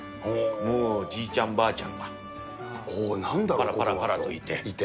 もうじいちゃん、ばあちゃんがぱらぱらぱらといて。